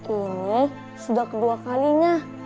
ini sudah kedua kalinya